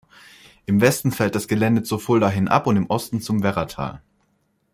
Im Westen fällt das Gelände zur Fulda hin ab und im Osten zum Werratal.